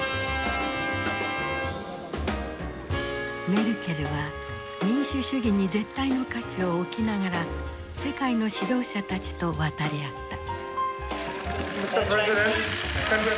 メルケルは民主主義に絶対の価値を置きながら世界の指導者たちと渡り合った。